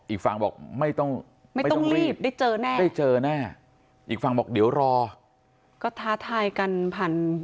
อีกฝั่งบอกไม่ต้องรีบได้เจอแน่อีกฝั่งบอกเดี๋ยวรอก็ท้าทายกันผ่าน